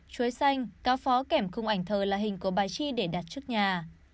chuối xanh cao phó kẻm khung ảnh thờ là hình của bà chi để đặt trước nhà